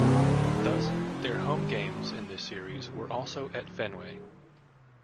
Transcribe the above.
Thus their home games in this Series were also at Fenway.